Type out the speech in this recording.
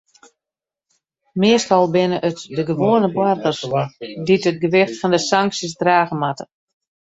Meastal binne it de gewoane boargers dy't it gewicht fan de sanksjes drage moatte.